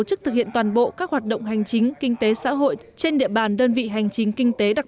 tổ chức thực hiện toàn bộ các hoạt động hành chính kinh tế xã hội trên địa bàn đơn vị hành chính kinh tế đặc